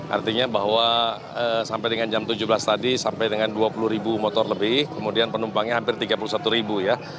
artinya bahwa sampai dengan jam tujuh belas tadi sampai dengan dua puluh ribu motor lebih kemudian penumpangnya hampir tiga puluh satu ribu ya